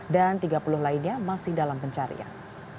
dan tiga puluh lainnya masih dalam pencarian